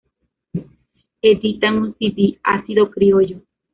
Editan un cd, "ácido Criollo".